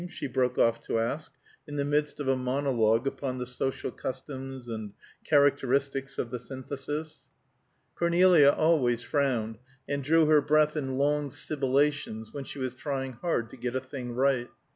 she broke off to ask, in the midst of a monologue upon the social customs and characteristics of the Synthesis. Cornelia always frowned, and drew her breath in long sibilations, when she was trying hard to get a thing right.